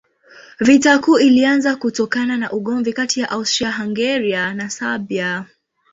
Vita Kuu ilianza kutokana na ugomvi kati ya Austria-Hungaria na Serbia.